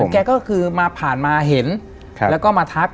แกก็คือมาผ่านมาเห็นแล้วก็มาทัก